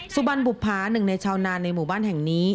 สุบันบุภาหนึ่งในชาวนานในหมู่บ้านแห่งนี้